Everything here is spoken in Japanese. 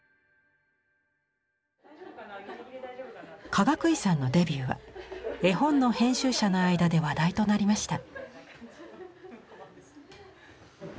かがくいさんのデビューは絵本の編集者の間で話題となりました。